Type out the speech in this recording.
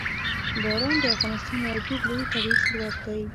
باران د افغانستان یو ډېر لوی طبعي ثروت دی.